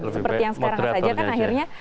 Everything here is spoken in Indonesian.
seperti yang sekarang saja kan akhirnya